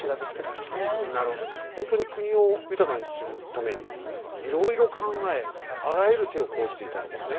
ほんとに国を豊かにするためにいろいろ考えあらゆる手を講じていたんですね。